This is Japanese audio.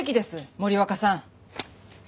森若さん。